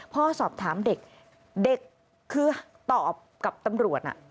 พ่อสอบถามเด็กเด็กคือตอบกับตำรวจ